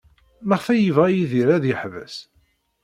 Maɣef ay yebɣa Yidir ad yeḥbes?